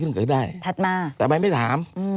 ขึ้นเกิดได้ถัดมาทำไมไม่ถาม